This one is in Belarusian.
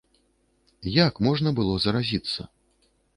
Як можна было заразіцца?